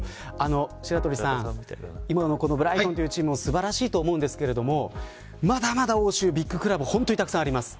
白鳥さん、今のブライトンというチームも素晴らしいと思いますけどまだまだ欧州、ビッグクラブ本当にたくさんあります。